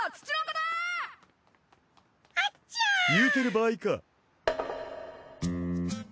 言うてる場合か。